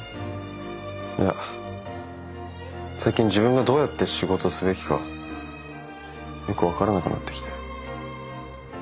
いや最近自分がどうやって仕事すべきかよく分からなくなってきて。